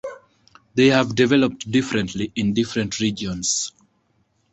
They have developed differently in different regions.